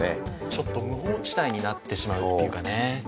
ちょっと無法地帯になってしまうというかね